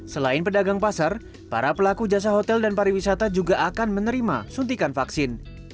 selain pedagang pasar para pelaku jasa hotel dan pariwisata juga akan menerima suntikan vaksin